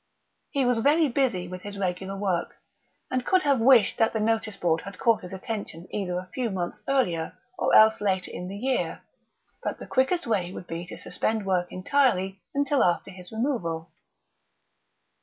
He was very busy with his regular work, and could have wished that the notice board had caught his attention either a few months earlier or else later in the year; but the quickest way would be to suspend work entirely until after his removal....